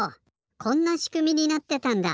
こんなしくみになってたんだ！